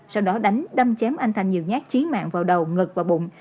sau đó đánh đâm chém anh thành nhiều nhát chí mạng vào đầu ngực và bụng